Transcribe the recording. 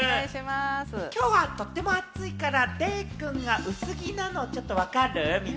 今日はとても暑いからデイくんが薄着なの、ちょっとわかる？